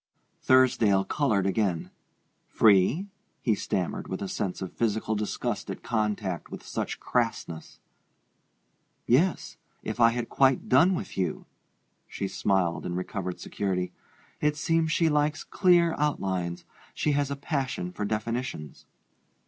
Thursdale colored again. "Free?" he stammered, with a sense of physical disgust at contact with such crassness. "Yes if I had quite done with you." She smiled in recovered security. "It seems she likes clear outlines; she has a passion for definitions."